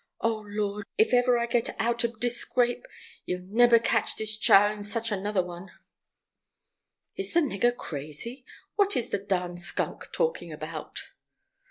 Oh Lord, if eber I get out ob dis scrape, ye'll neber catch dis chile in such another one." "Is the nigger crazy? What is the darn skunk talking about?"